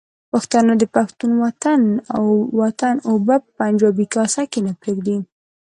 پښتانه د پښتون وطن اوبه په پنجابي کاسه کې نه پرېږدي.